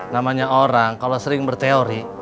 namanya orang kalau sering berteori